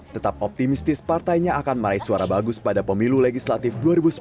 tetap optimistis partainya akan meraih suara bagus pada pemilu legislatif dua ribu sembilan belas